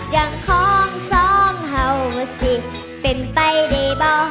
เรื่องของส้อมเฮาสิเป็นไปได้บ่